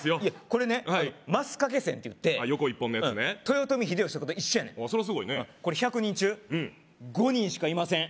これねますかけ線っていって横一本のやつね豊臣秀吉とかと一緒やねんそらすごいねこれ１００人中うん５人しかいません